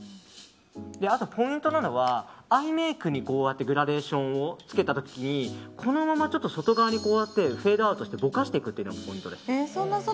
あとポイントなのはアイメークにグラデーションをつけた時に、このまま外側にこうやってフェードアウトしてぼかしていくのがポイントです。